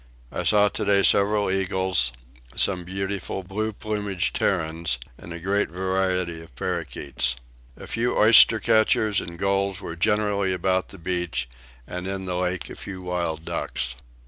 I saw today several eagles, some beautiful blue plumaged herons, and a great variety of parakeets. A few oyster catchers and gulls were generally about the beach, and in the lake a few wild ducks.